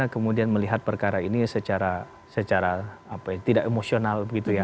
karena kemudian melihat perkara ini secara tidak emosional